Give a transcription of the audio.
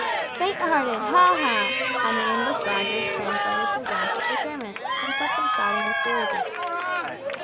"Faint hearted! ha! ha!" and the English Badgers translated the word to the Germans, and set them shouting with derision.